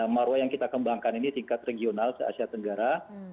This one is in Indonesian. maruah yang kita kembangkan ini tingkat regional se asia tenggara